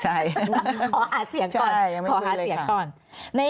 ใช่ยังไม่คุยเลยค่ะใช่ยังไม่คุยเลยค่ะพอหาเสียงก่อน